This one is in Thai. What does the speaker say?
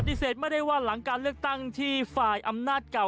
ไม่ได้ว่าหลังการเลือกตั้งที่ฝ่ายอำนาจเก่า